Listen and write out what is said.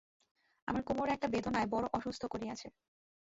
আমার কোমরে একটা বেদনায় বড় অসুস্থ করিয়াছে।